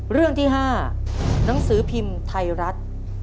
เรื่องที่๕หนังสือพิมพ์ไทยรัฐ